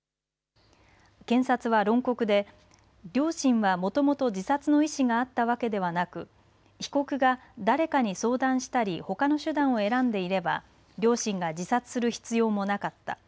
検察は論告で両親はもともと自殺の意思があったわけではなく被告が、誰かに相談したりほかの手段を選んでいれば両親が自殺する必要もなかった。